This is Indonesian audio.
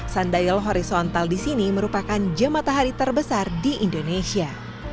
sundial horizontal di sini merupakan jam matahari terbesar di indonesia